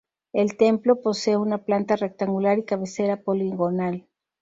El templo posee una planta rectangular y cabecera poligonal.